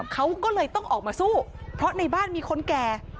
เขาก็เลยต้องออกมาสู้เพราะในบ้านมีคนแก่